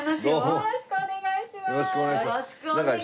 よろしくお願いします。